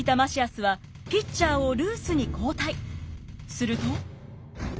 すると。